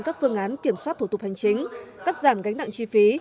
các phương án kiểm soát thủ tục hành chính cắt giảm gánh nặng chi phí